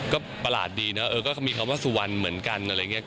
ก็ประหลาดดีเนอะเออก็มีคำว่าสุวรรณเหมือนกันอะไรอย่างนี้